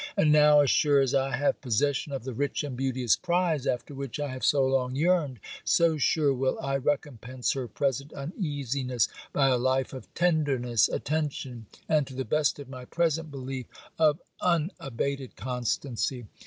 And now, as sure as I have possession of the rich and beauteous prize after which I have so long yearned, so sure will I recompense her present uneasiness by a life of tenderness, attention, and, to the best of my present belief, of unabated constancy.